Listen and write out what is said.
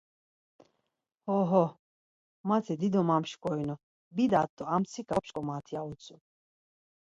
Ho, ho, mati dido mamşkorinu, bidat do ar mtsika op̌ç̌ǩomat ya utzu.